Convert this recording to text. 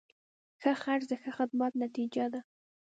ښه خرڅ د ښه خدمت نتیجه ده.